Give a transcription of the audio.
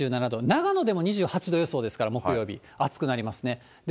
長野でも２８度予想ですから、予想ですから、木曜日、暑くなりますね。